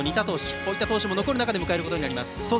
こういった投手が残る中迎えることになります。